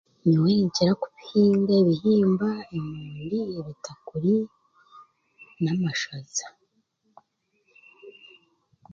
Nyowe ninkira kuhinga emondi, ebitakuri n'amashaza